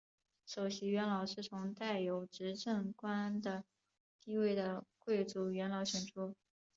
首席元老是从带有执政官的地位的贵族元老选出。